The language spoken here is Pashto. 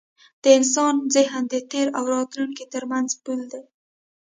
د انسان ذهن د تېر او راتلونکي تر منځ پُل دی.